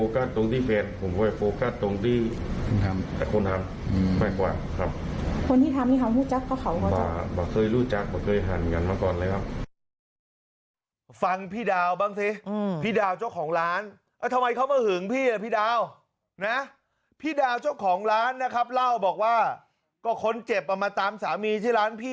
คนที่ทำให้เขารู้จักก็เขาเขาจับ